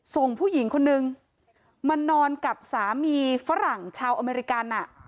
ส่งผู้หญิงคนนึงมานอนกับสามีฝรั่งชาวอเมริกัน